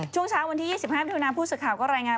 ช่วงเช้าวันที่๒๕มิถุนาผู้สื่อข่าวก็รายงาน